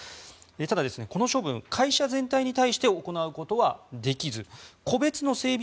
ただ、この処分会社全体に対して行うことはできず個別の整備